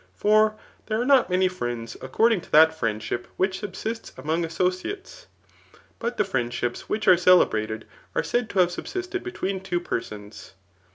For there are not many friends tecording to that friendship which subsists among asso« dates; hvtt the friendships which are celebrated, are said to have subsisted between two persons.